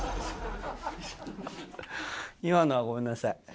今のはごめんなさい。